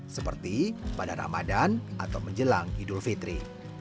seperti pada ramadan atau menjelang idul fitri